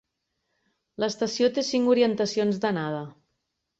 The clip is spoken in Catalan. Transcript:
L'estació té cinc orientacions d'anada.